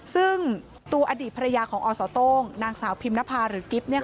ซึ่งตัวอดีตภรรยาของอสโต้งนางสาวพิมนภาหรือกิ๊บเนี่ย